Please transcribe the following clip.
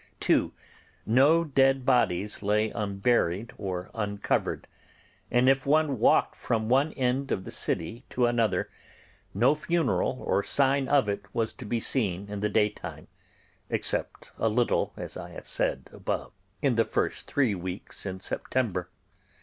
(2) No dead bodies lay unburied or uncovered; and if one walked from one end of the city to another, no funeral or sign of it was to be seen in the daytime, except a little, as I have said above, in the three first weeks in September.